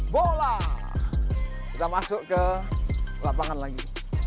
bola kita masuk ke lapangan lagi